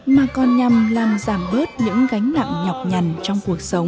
mà còn nhằm làm giảm bớt những gánh nặng nhọc nhằn trong cuộc sống